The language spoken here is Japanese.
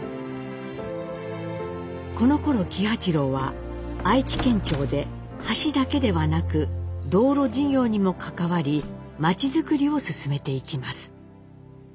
このころ喜八郎は愛知県庁で橋だけではなく道路事業にも関わり町づくりを進めていきます。